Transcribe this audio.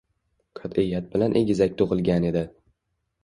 Qat’iyat bilan egizak tug’ilgan edi.